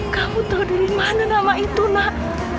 kamu tahu dari mana nama itu nak